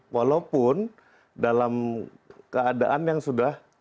walaupun dalam keadaan yang sudah